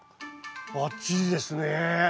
ばっちりですね！